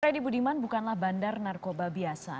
freddy budiman bukanlah bandar narkoba biasa